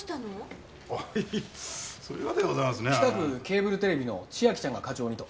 北区ケーブルテレビの千秋ちゃんが課長にと。